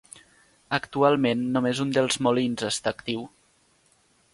Actualment només un dels molins està actiu.